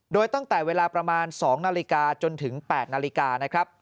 โดยตั้งแต่เวลาประมาณ๒นาฬิกาจนถึง๘นาฬิกานะครับ